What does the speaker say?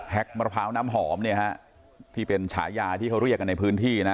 แฮกมะพร้าวน้ำหอมที่เป็นฉายาที่เขาเรียกในพื้นที่